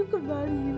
ayu kembali ayu